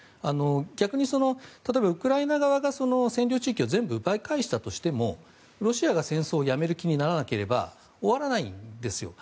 逆にウクライナ側が占領地域を全部奪い返したとしてもロシアが戦争をやめる気にならなければ終わらないんですよ。